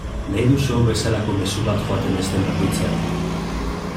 Nahi duzu hau bezalako mezu bat joaten ez den bakoitzean.